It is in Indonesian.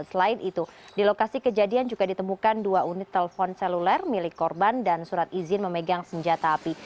selain itu di lokasi kejadian juga ditemukan dua unit telepon seluler milik korban dan surat izin memegang senjata api